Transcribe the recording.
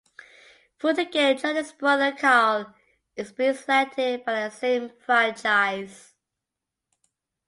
Foote again joined his brother Cal in being selected by the same franchise.